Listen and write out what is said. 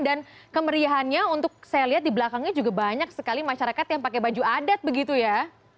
dan kemeriahannya untuk saya lihat di belakangnya juga banyak sekali masyarakat yang pakai baju adat begitu ya